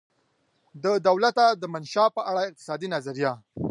د دولته دمنشا په اړه اقتصادي نظریه